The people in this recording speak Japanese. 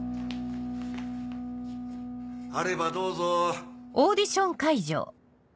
あればどうぞ。